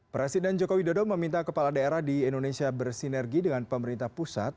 presiden joko widodo meminta kepala daerah di indonesia bersinergi dengan pemerintah pusat